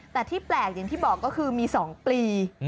แต่ที่แปลกอย่างที่บอกก็คือมี๒ปลี